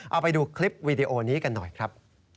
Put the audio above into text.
เอาไปดูคลิปวีดีโอนี้กันหน่อยครับ